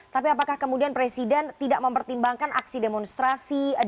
tapi apakah kemudian presiden tidak mempertimbangkan aksi aksi yang akan diperlukan oleh ruu omnibus law cipta kerja